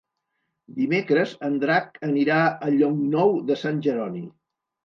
Dimecres en Drac anirà a Llocnou de Sant Jeroni.